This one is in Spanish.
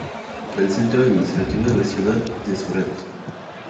El centro administrativo es la ciudad de Surat.